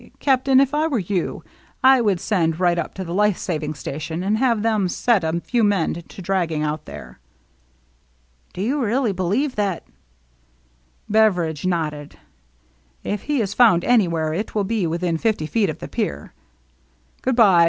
Captain, if I were you, I would send right up to the life saving station and have them' set a few men to dragging out there." " Do you really believe that —" Beveridge nodded. "If he is found any where, it will be within fifty feet of the pier. Good by.